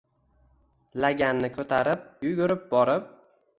Laganni ko’tarib, yugurib borib